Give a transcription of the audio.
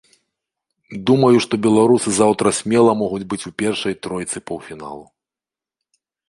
Думаю, што беларусы заўтра смела могуць быць у першай тройцы паўфіналу.